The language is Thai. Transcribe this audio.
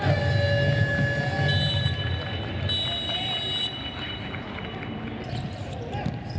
สวัสดีครับ